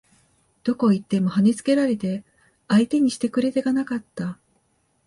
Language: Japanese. どこへ行っても跳ね付けられて相手にしてくれ手がなかった